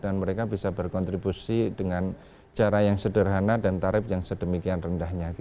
dan mereka bisa berkontribusi dengan cara yang sederhana dan tarif yang sedemikian rendahnya